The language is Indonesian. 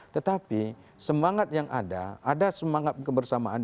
tetapi semangat yang ada ada semangat kebersamaan